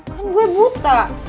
kan gue buta